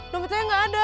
dombet saya gak ada